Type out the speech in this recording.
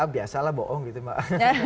biasalah bohong gitu mbak